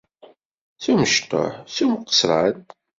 S umecṭuḥ, s umeqsran.